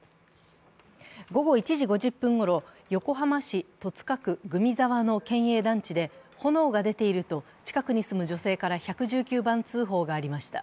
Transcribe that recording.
午後１時５０分ごろ、横浜市戸塚区汲沢の県営団地で炎が出ていると近くに住む女性から１１９番通報がありました。